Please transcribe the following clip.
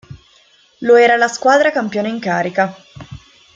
Lo era la squadra campione in carica.